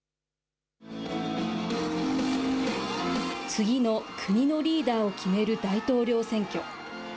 次の国のリーダーを決める大統領選挙。